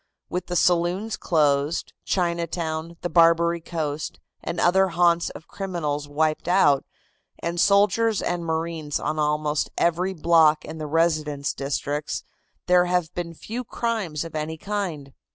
With the saloons closed, Chinatown, the Barbary Coast, and other haunts of criminals wiped out, and soldiers and marines on almost every block in the residence districts, there have been few crimes of any kind.